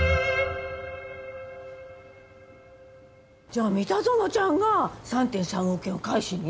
じゃあ三田園ちゃんが３．３億円を返しに？